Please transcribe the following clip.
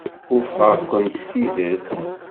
Wufqeɣ-ken s tidet.